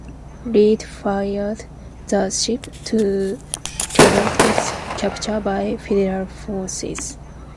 Read fired the ship to prevent its capture by Federal forces.